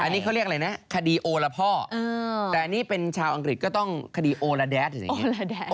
อันนี้เขาเรียกอะไรนะคดีโอละพ่อแต่อันนี้เป็นชาวอังกฤษก็ต้องคดีโอละแดดอะไรอย่างนี้